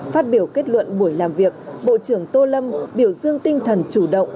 phát biểu kết luận buổi làm việc bộ trưởng tô lâm biểu dương tinh thần chủ động